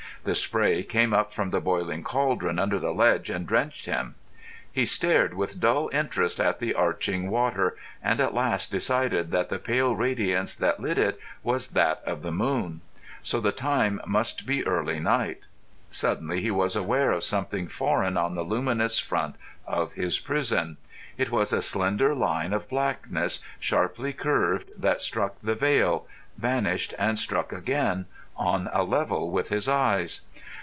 The spray came up from the boiling cauldron under the ledge and drenched him. He stared with dull interest at the arching water, and at last decided that the pale radiance that lit it was that of the moon. So the time must be early night. Suddenly he was aware of something foreign on the luminous front of his prison. It was a slender line of blackness, sharply curved, that struck the veil, vanished, and struck again on a level with his eyes.